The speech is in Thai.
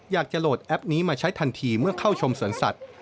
โหลดแอปนี้มาใช้ทันทีเมื่อเข้าชมสวนสัตว์